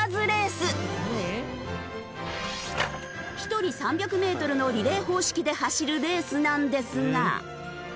１人３００メートルのリレー方式で走るレースなんですが。